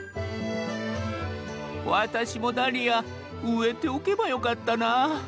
私もダリア植えておけばよかったなぁ。